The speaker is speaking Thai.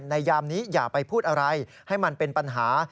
ยามนี้อย่าไปพูดอะไรให้มันเป็นปัญหา